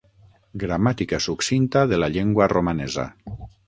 Gramàtica succinta de la llengua romanesa.